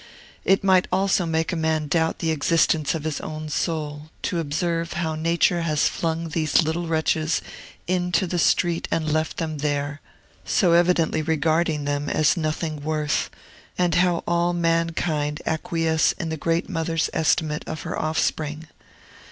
It might almost make a man doubt the existence of his own soul, to observe how Nature has flung these little wretches into the street and left them there, so evidently regarding them as nothing worth, and how all mankind acquiesce in the great mother's estimate of her offspring.